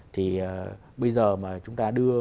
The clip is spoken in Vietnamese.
thì bây giờ mà chúng ta đưa